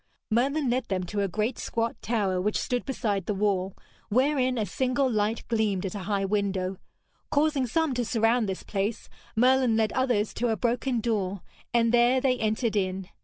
Merlin led them to a great squat tower which stood beside the wall, wherein a single light gleamed at a high window. Causing some to surround this place, Merlin led others to a broken door, and there they entered in.